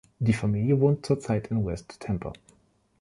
Die Familie wohnt zurzeit in West Tampa.